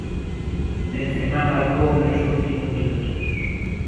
Benzemá marcou nos últimos minutos.